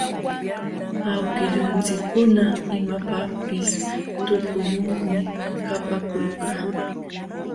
Awkillunchikkuna imapaqpis tupuyuqmi kapaakulqa.